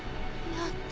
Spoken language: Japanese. ・・やった！